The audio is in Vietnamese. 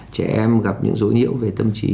trẻ em gặp những dối nhiễu về tâm trí